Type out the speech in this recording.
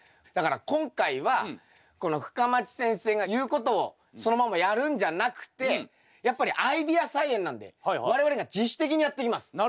だから今回はこの深町先生が言うことをそのままやるんじゃなくてやっぱりアイデア菜園なんで我々が自主的にやっていきます。